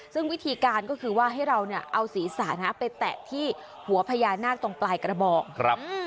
ซึ่งวิธีการก็คือว่าให้เราเนี่ยเอาศีรษะนะไปแตะที่หัวพญานาคตรงปลายกระบอกครับ